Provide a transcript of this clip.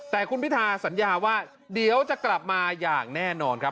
แต่คุณพิธาสัญญาว่าเดี๋ยวจะกลับมาอย่างแน่นอนครับ